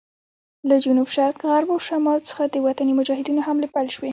له جنوب شرق، غرب او شمال څخه د وطني مجاهدینو حملې پیل شوې.